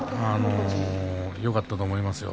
よかったと思いますよ。